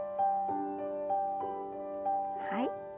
はい。